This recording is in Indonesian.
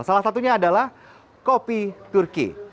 salah satunya adalah kopi turki